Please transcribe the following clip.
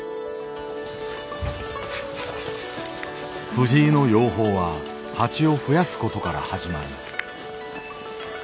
藤井の養蜂は蜂をふやすことから始まる。